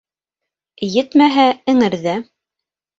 Етмәһә, эңерҙә.